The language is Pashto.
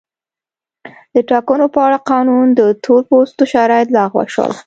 د ټاکنو په اړه قانون د تور پوستو شرایط لغوه شول.